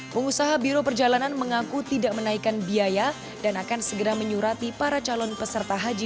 pengusaha biro perjalanan mengaku tidak menaikkan biaya dan akan segera menyurati para calon peserta haji